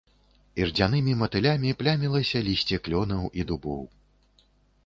Ірдзянымі матылямі плямілася лісцё клёнаў і дубоў.